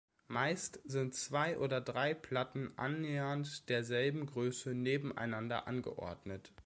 Meist sind zwei oder drei Platten annähernd derselben Größe nebeneinander angeordnet.